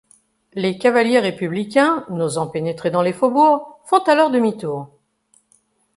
Les cavaliers républicains, n'osant pénétrer dans les faubourgs, font alors demi-tour.